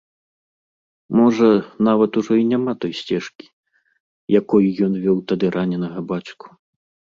Можа, нават ужо няма і той сцежкі, якой ён вёў тады раненага бацьку.